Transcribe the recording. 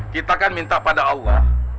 kita kan minta pada allah